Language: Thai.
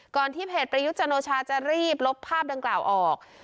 ที่เพจประยุทธ์จันโอชาจะรีบลบภาพดังกล่าวออก